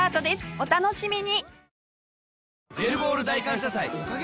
お楽しみに！